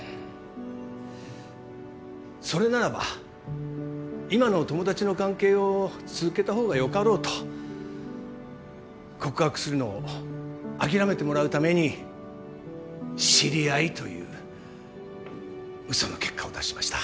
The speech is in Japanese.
それならば今の友達の関係を続けたほうが良かろうと告白するのを諦めてもらうために「知り合い」という嘘の結果を出しました。